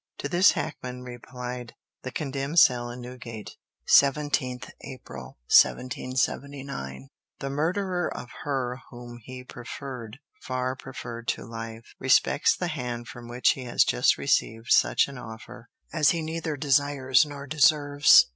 To this Hackman replied: THE CONDEMNED CELL IN NEWGATE, 17th April, 1779. "The murderer of her whom he preferred, far preferred to life, respects the hand from which he has just received such an offer as he neither desires nor deserves.